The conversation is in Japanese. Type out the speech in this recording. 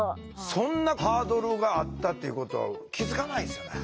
そんなハードルがあったっていうことは気付かないですよね。